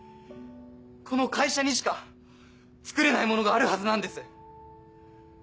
この会社にしか作れないものがあるはずなんです！